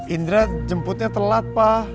indra jemputnya telat pak